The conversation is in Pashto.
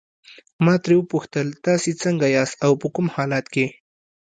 ما ترې وپوښتل تاسي څنګه یاست او په کوم حالت کې.